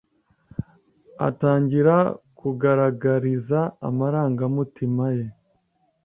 Atangira kugaragariza amarangamutima ye